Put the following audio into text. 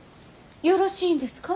よろしいんですか。